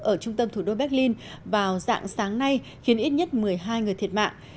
ở trung tâm thủ đô berlin vào dạng sáng nay khiến ít nhất một mươi hai người thiệt mạng